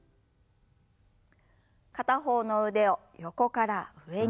片方の腕を横から上に。